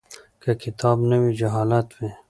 که کتاب نه وي جهالت وي.